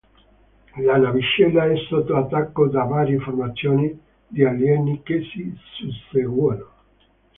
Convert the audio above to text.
La navicella è sotto attacco da varie formazioni di alieni che si susseguono.